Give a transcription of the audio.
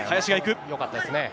よかったですね。